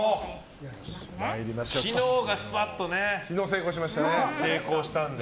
昨日が、スパッと成功したので。